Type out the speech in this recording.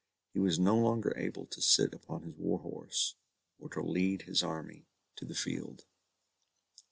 He was no longer able to sit upon his war horse, or to lead his army to the field.